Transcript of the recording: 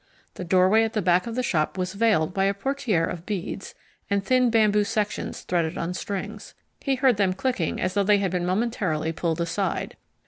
The doorway at the back of the shop was veiled by a portiere of beads and thin bamboo sections threaded on strings. He heard them clicking as though they had been momentarily pulled aside.